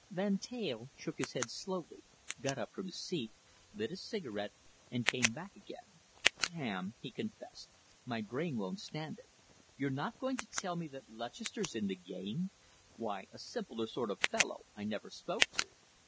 Van Teyl shook his head slowly, got up from his seat, lit a cigarette, and came back again. "Pam," he confessed, "my brain won't stand it. You're not going to tell me that Lutchester's in the game? Why, a simpler sort of fellow I never spoke to."